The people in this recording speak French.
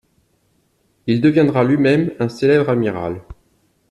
Il deviendra lui-même un célèbre amiral.